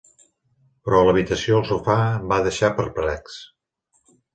Però a l'habitació el sofà em va deixar perplex.